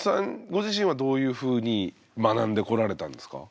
ご自身はどういうふうに学んでこられたんですか？